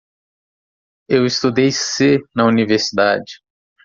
Eu estudei C na universidade.